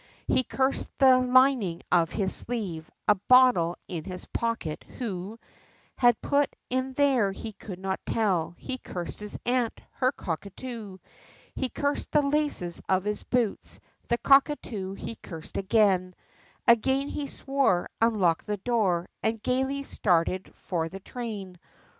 He cursed the lining of his sleeve, a bottle in his pocket who Had put it there he could not tell he cursed his aunt, her cockatoo. He cursed the laces of his boots, the cockatoo he cursed again, Again he swore, unlocked the door, and gaily started for the train.